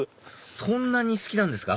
そんなに好きなんですか？